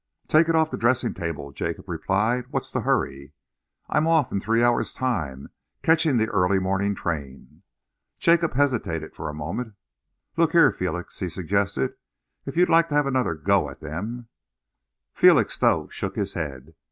"Take it off the dressing table," Jacob replied. "What's the hurry?" "I'm off in three hours' time. Catching the early morning train." Jacob hesitated for a moment. "Look here, Felix," he suggested, "if you'd like to have another go at them " Felixstowe shook his head.